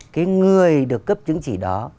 cái người được cấp chứng chỉ đó